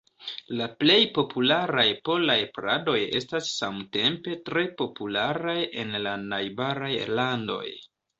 La plej popularaj polaj pladoj estas samtempe tre popularaj en la najbaraj landoj.